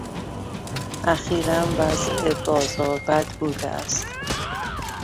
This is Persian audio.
اخیرا وضع بازار بد بوده است.